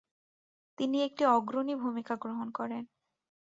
তিনি একটি অগ্রণী ভূমিকা গ্রহণ করেন।